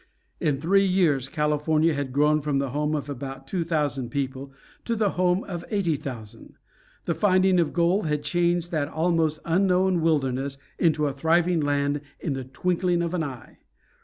In three years California had grown from the home of about two thousand people to the home of eighty thousand. The finding of gold had changed that almost unknown wilderness into a thriving land in the twinkling of an eye.